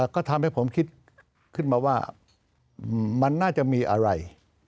ก็ทำให้ผมคิดขึ้นมาว่ามันน่าจะมีอะไร